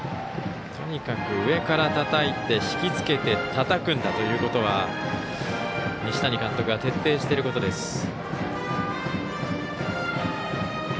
とにかく上からたたいて引きつけてたたくんだということは西谷監督が徹底していることです。